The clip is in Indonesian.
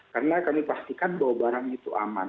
karena kami pastikan bahwa barang itu aman